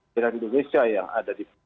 di indonesia yang ada di